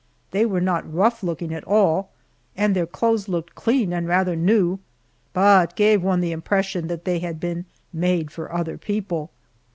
They were not rough looking at all, and their clothes looked clean and rather new, but gave one the impression that they had been made for other people.